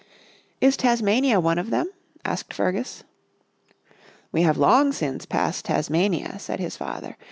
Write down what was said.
" Is Tasmania one of them? " asked Fergus. " We have long since passed Tasmania," said his father.